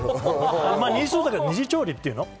二次調理っていうの？